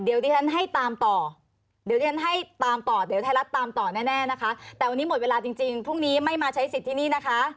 อ่ะเดี๋ยวที่ฉันให้ตามต่อเดี๋ยวถ้าให้จะตามต่อแน่แล้วมันมันไม่ใช้สิทธิ์นี้